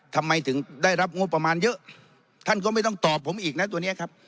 ทำไมถึงได้รับงบประมาณเยอะท่านก็ไม่ต้องตอบผมอีกนะตัวนี้ครับ